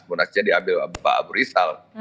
munas jadi ambil pak abu risal